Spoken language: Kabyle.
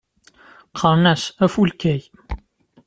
Qqaren-as Afulkay.